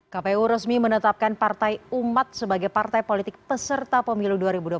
kpu resmi menetapkan partai umat sebagai partai politik peserta pemilu dua ribu dua puluh empat